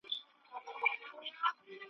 چې که یو ملت غواړي